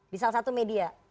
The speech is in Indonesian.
di salah satu media